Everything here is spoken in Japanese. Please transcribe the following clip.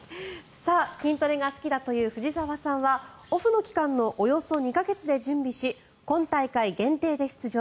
筋トレが好きだという藤澤さんはオフの期間のおよそ２か月で準備し今大会限定で出場。